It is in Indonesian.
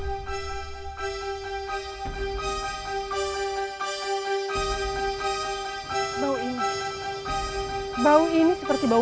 jadi kalau memang jun torun dulu dulu